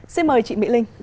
xin mời chị mỹ linh